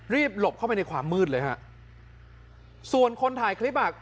หลบเข้าไปในความมืดเลยฮะส่วนคนถ่ายคลิปอ่ะ